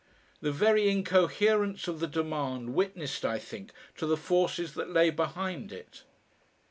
The very incoherence of the demand witnessed, I think, to the forces that lay behind it.